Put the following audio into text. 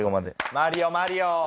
マリオマリオ！